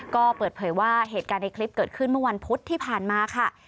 ก็เปิดเผยว่าเหตุการณ์ในคลิปเกิดขึ้นเมื่อวันพุธที่ผ่านมาค่ะ